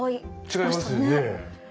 違いますよね。